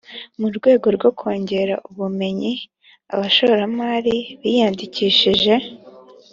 mu rwego rwo kongera ubumenyi abashomeri biyandikishije